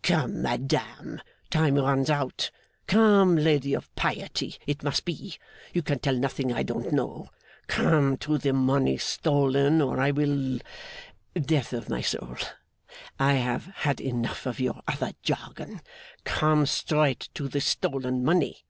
'Come, madame! Time runs out. Come, lady of piety, it must be! You can tell nothing I don't know. Come to the money stolen, or I will! Death of my soul, I have had enough of your other jargon. Come straight to the stolen money!